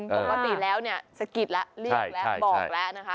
ปกติแล้วเนี่ยสะกิดแล้วเรียกแล้วบอกแล้วนะคะ